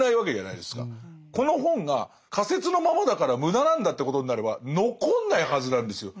この本が仮説のままだから無駄なんだってことになれば残んないはずなんですよ。